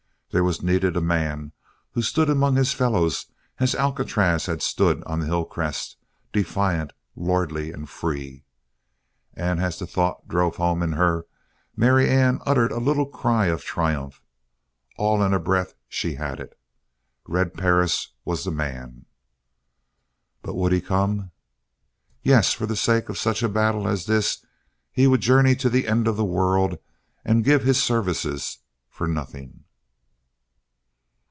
There was needed a man who stood among his fellows as Alcatraz had stood on the hillcrest, defiant, lordly, and free. And as the thought drove home in her, Marianne uttered a little cry of triumph. All in a breath she had it. Red Perris was the man! But would he come? Yes, for the sake of such a battle as this he would journey to the end of the world and give his services for nothing.